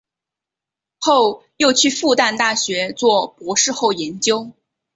后又去复旦大学做博士后研究。